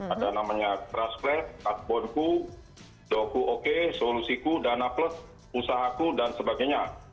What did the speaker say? ada namanya trustlet adbonku doku oke solusiku dana plus usahaku dan sebagainya